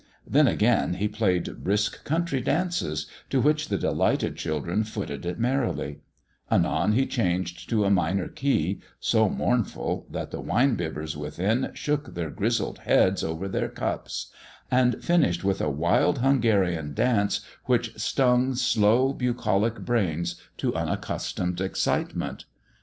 Then again he played brisk country dances, to which the delighted children footed it merrily j anon he changed to s minor key, so mournful, that the wine bibbers within shoo^ their grizzled heads over their cups ; and finished with a wild Hungarian dance which stung slow, bucolic brains to unaccustomed excitement.